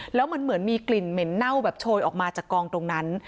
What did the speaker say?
แล้วมันเหมือนมีกลิ่นเหม็นเน่าแบบโชยออกมาจากกองตรงนั้น